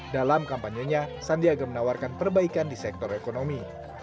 dalam kampanyenya sandiaga menawarkan perbaikan di sektor ekonomi